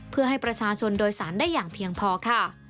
เพื่อให้ประชาชนโดยสารได้อย่างเพียงพอค่ะ